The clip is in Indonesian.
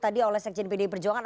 tadi oleh seksi npd perjuangan